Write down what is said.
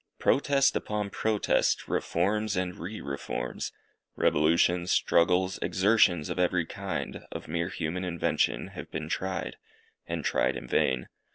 Protest upon protest! reforms and re reforms; revolutions, struggles, exertions of every kind, of mere human invention, have been tried, and tried in vain.